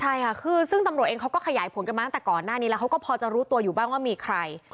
ใช่ค่ะคือซึ่งตำรวจเองเขาก็ขยายผลกันมาตั้งแต่ก่อนหน้านี้แล้วเขาก็พอจะรู้ตัวอยู่บ้างว่ามีใคร